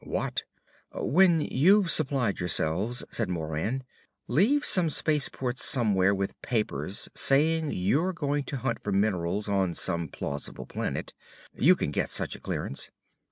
"What?" "When you've supplied yourselves," said Moran, "leave some space port somewhere with papers saying you're going to hunt for minerals on some plausible planet. You can get such a clearance.